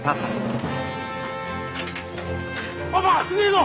パパすげえぞ！